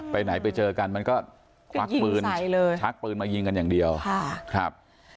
ไปไหนไปเจอกันมันก็ควักปืนชักปืนมายิงกันอย่างเดียวค่ะครับ